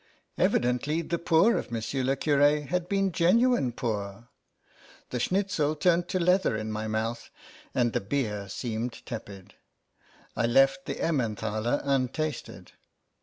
Evidently the poor of Monsieur le Curd had been genuine poor. The Schnitzel turned to leather in my mouth, the beer seemed tepid ; I left the Emmen thaler untasted.